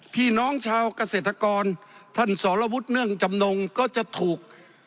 พี่น้องชาวเกษตรกรท่านสรวุฒิเนื่องจำนงก็จะถูก